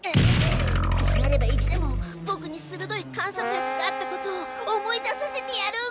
こうなれば意地でもボクに鋭い観察力があったことを思い出させてやる！